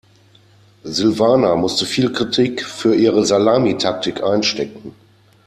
Silvana musste viel Kritik für ihre Salamitaktik einstecken.